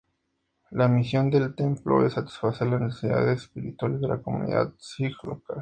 La misión del templo, es satisfacer las necesidades espirituales de la comunidad sij local.